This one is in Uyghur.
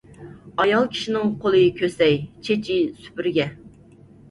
ئايال كىشىنىڭ قولى كۆسەي، چېچى سۈپۈرگە.